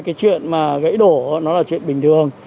cái chuyện mà gãy đổ nó là chuyện bình thường